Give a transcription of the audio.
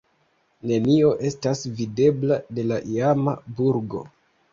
Nenio estas videbla de la iama burgo.